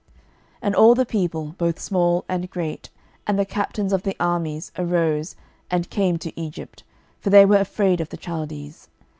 12:025:026 And all the people, both small and great, and the captains of the armies, arose, and came to Egypt: for they were afraid of the Chaldees.